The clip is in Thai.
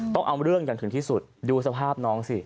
ต้องเอาเรื่องอย่างถึงที่สุดดูสภาพน้องสิ